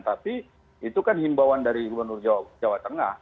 tapi itu kan himbauan dari gubernur jawa tengah